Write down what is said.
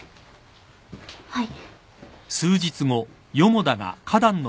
はい。